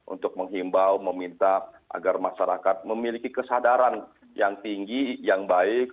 untuk menghimbau meminta agar masyarakat memiliki kesadaran yang tinggi yang baik